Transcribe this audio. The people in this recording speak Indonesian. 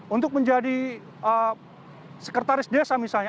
untuk menjadi sekretaris desa misalnya